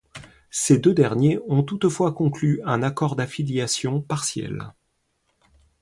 Ces deux derniers ont toutefois conclu un accord d'affiliation partielle.